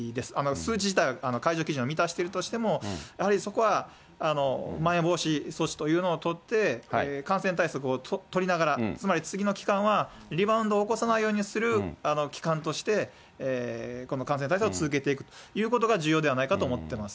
数字自体は解除基準を満たしているとしても、やはりそこは、まん延防止措置というのを取って、感染対策を取りながら、つまり次の期間はリバウンドを起こさないようにする期間として、この感染対策を続けていくということが重要ではないかと思ってます。